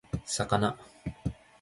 魚